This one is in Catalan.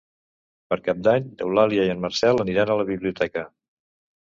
Per Cap d'Any n'Eulàlia i en Marcel aniran a la biblioteca.